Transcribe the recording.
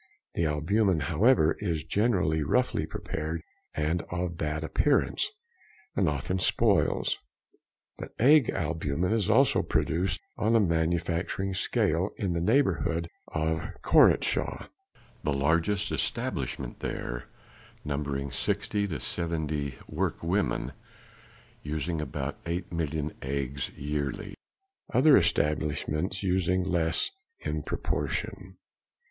The albumen however is generally roughly prepared and of bad appearance, and often spoils. But egg albumen is also produced on a manufacturing scale in the neighbourhood of Korotscha, the largest establishment there numbering sixty to seventy workwomen, using about eight million eggs yearly, other establishments using less in proportion.